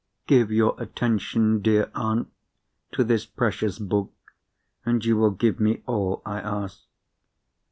"Give your attention, dear aunt, to this precious book—and you will give me all I ask."